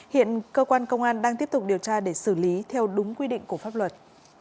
hiện cơ quan công an đang tiếp tục điều tra để xử lý theo đúng quy định của pháp luật